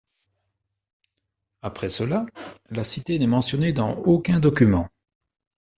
Après cela, la cité n'est mentionnée dans aucun document.